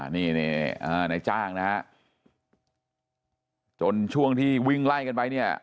นี่นายจ้างนะฮะจนช่วงที่วิ่งไล่กันไปเนี่ย